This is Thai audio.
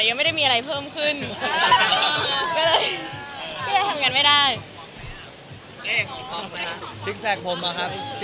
ยังไม่ได้มีอะไรเพิ่มขึ้นไม่ได้ทำกันไม่ได้